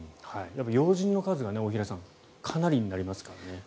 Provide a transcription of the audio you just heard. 要人の数がかなりになりますからね。